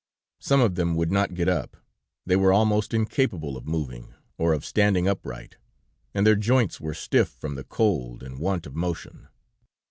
Some of them would not get up; they were almost incapable oí moving or of standing upright, and their joints were stiff from the cold and want of motion.